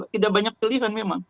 tidak banyak pilihan memang